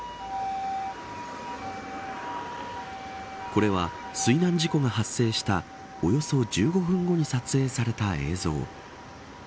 これは水難事故が発生したおよそ１５分後に撮影された映像。